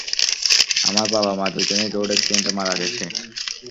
আমার বাবা-মা দুজনেই রোড এক্সিডেন্টে মারা গেছে।